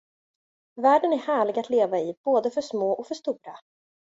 Världen är härlig att leva i både för små och för stora.